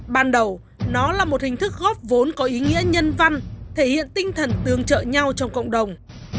ban đầu nó là một hình thức góp vốn có ý nghĩa nhân văn thể hiện tinh thần tương trợ nhau trong cộng đồng